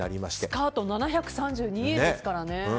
スカート、７３２円ですからね。